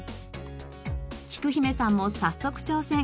きく姫さんも早速挑戦。